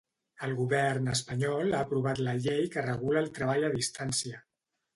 El Govern espanyol ha aprovat la llei que regula el treball a distància.